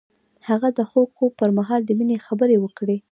هغه د خوږ خوب پر مهال د مینې خبرې وکړې.